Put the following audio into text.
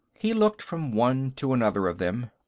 He looked from one to another of them.